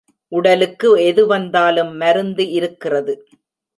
உடலுக்கு எது வந்தாலும் மருந்து இருக்கிறது.